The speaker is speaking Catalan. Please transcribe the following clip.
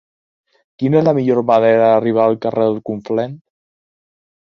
Quina és la millor manera d'arribar al carrer del Conflent?